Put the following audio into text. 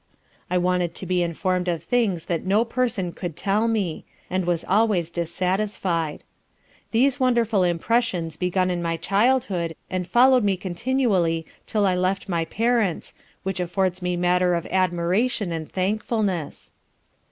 I wanted to be informed of things that no person could tell me; and was always dissatisfied. These wonderful impressions begun in my childhood, and followed me continually 'till I left my parents, which affords me matter of admiration and thankfulness.